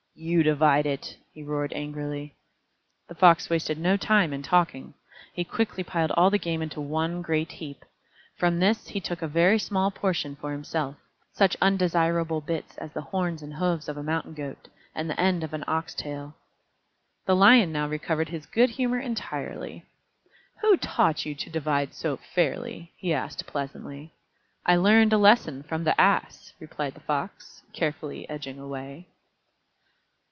"You divide it," he roared angrily. The Fox wasted no time in talking. He quickly piled all the game into one great heap. From this he took a very small portion for himself, such undesirable bits as the horns and hoofs of a mountain goat, and the end of an ox tail. The Lion now recovered his good humor entirely. "Who taught you to divide so fairly?" he asked pleasantly. "I learned a lesson from the Ass," replied the Fox, carefully edging away.